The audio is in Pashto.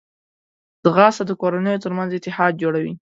ځغاسته د کورنیو ترمنځ اتحاد جوړوي